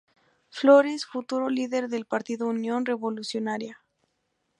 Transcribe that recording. Flores, futuro líder del Partido Unión Revolucionaria.